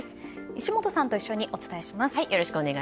石本さんと一緒にお伝えします。